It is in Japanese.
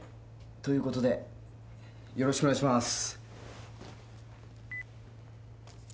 ということでよろしくお願いします。